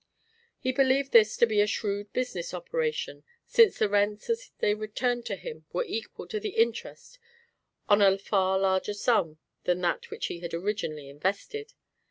He believed this to be a shrewd business operation, since the rents as they returned to him were equal to the interest on a far larger sum than that which he had originally invested.